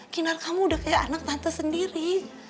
kinar kamu udah kayak anak tante sendiri